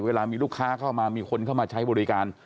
เวลามีลูกค้าเข้ามามีคนเข้ามาใช้บริการ